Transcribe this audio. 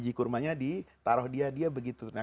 baji kurmanya ditaruh dia